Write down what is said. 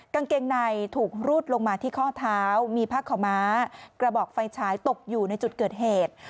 กางเกงในถูกรูดลงมาที่ข้อเท้ามีผ้าขาวม้ากระบอกไฟฉายตกอยู่ในจุดเกิดเหตุ